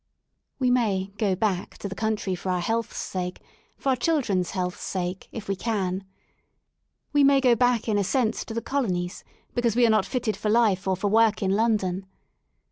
We may go back" to the country for our health's sake, for our children's health's sake, if we can. We may go back " in a sense to the Colonies because we are not fitted for life or for work in London.